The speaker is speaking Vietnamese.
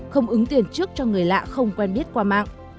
không ứng tiền trước cho người lạ không quen biết qua mạng